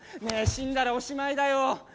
ねえ死んだらおしまいだよ！